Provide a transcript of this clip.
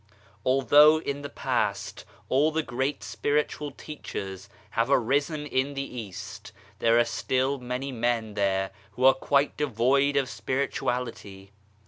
Although in the past all the great Spiritual Teachers have arisen in the East, there are still many men there who are quite devoid of Spirituality.